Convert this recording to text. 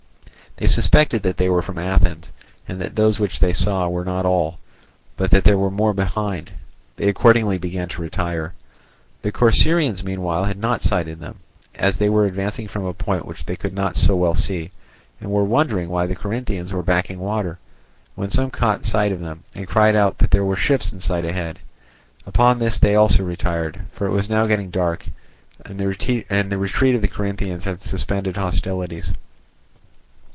They suspected that they were from Athens, and that those which they saw were not all, but that there were more behind; they accordingly began to retire. The Corcyraeans meanwhile had not sighted them, as they were advancing from a point which they could not so well see, and were wondering why the Corinthians were backing water, when some caught sight of them, and cried out that there were ships in sight ahead. Upon this they also retired; for it was now getting dark, and the retreat of the Corinthians had suspended hostilities.